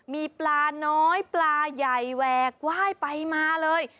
มีปลาน้อยปลาใหญ่แหวกไหว้ไปมาเลย